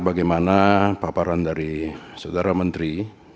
bagaimana paparan dari saudara menteri